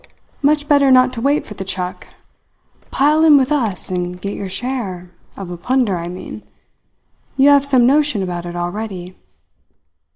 Much better not to wait for the chuck. Pile in with us and get your share of the plunder, I mean. You have some notion about it already."